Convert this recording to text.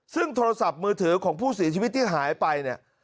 ซึ่งโทรศัพท์มือถือของผู้เสียชีวิตที่หายไปเนี่ย